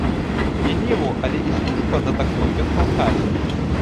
Не ніву, але істужку адаткнуў ён калкамі.